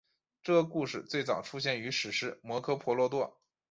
这个故事最早出现于史诗摩诃婆罗多。